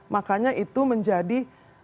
makanya itu menjadi